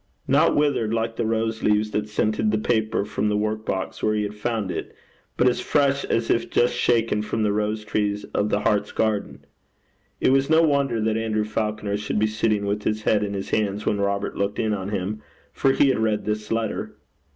not withered like the rose leaves that scented the paper from the work box where he had found it, but as fresh as if just shaken from the rose trees of the heart's garden. It was no wonder that Andrew Falconer should be sitting with his head in his hands when Robert looked in on him, for he had read this letter.